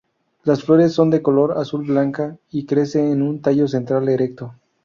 Las flores son de color azul-blanca y crecen en un tallo central erecto.